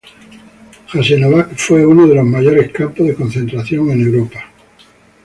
Jasenovac fue uno de los mayores campos de concentración en Europa.